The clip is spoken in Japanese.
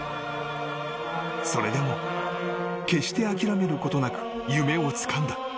［それでも決して諦めることなく夢をつかんだ］